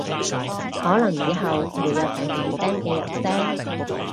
可能以後會有第五聲嘅入聲